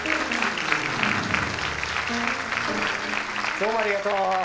どうもありがとう。